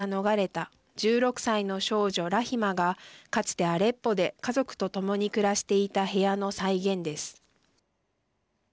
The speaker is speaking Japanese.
こちらは２０１５年にシリア内戦から逃れた１６歳の少女ラヒマがかつてアレッポで家族と共に暮らしていた部屋の再現です。